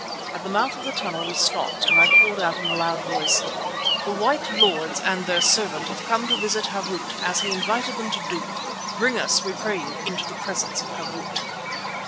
At the mouth of the tunnel we stopped and I called out in a loud voice: "The white lords and their servant have come to visit Harût, as he invited them to do. Bring us, we pray you, into the presence of Harût."